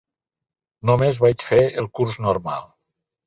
"Només vaig fer el curs normal".